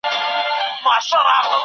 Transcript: کله بندیان بیرته خپلو هېوادونو ته ستنیږي؟